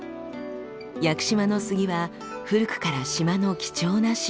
屋久島の杉は古くから島の貴重な資源。